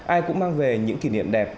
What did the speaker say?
ai cũng mang về những kỷ niệm đẹp